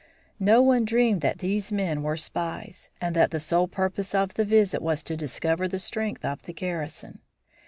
No one dreamed that these men were spies, and that the sole purpose of the visit was to discover the strength of the garrison.